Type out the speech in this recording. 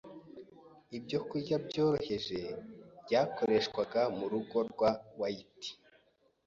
Ibyokurya byoroheje byakoreshwaga mu rugo rwa White